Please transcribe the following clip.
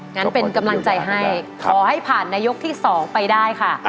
งั้นเป็นกำลังใจให้ขอให้ผ่านในยกที่๒ไปได้ค่ะ